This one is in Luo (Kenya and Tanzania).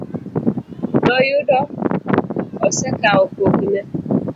Noyudo osekawo pokne.